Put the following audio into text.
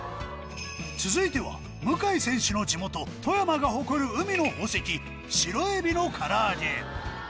続いては向選手の地元富山が誇る海の宝石シロエビの唐揚げ